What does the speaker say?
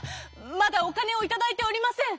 まだおかねをいただいておりません。